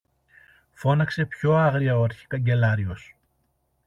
φώναξε πιο άγρια ο αρχικαγκελάριος.